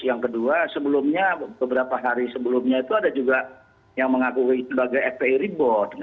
yang kedua sebelumnya beberapa hari sebelumnya itu ada juga yang mengakui sebagai fpi rebor